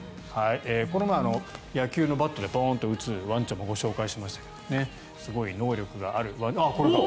この前野球のバットで打つワンちゃんもご紹介しましたがすごい能力があるあ、これだ！